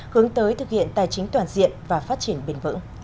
hướng tới thực hiện tài chính toàn diện và phát triển bền vững